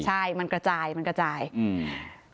ใช่มันกระจายมันกระจายอืม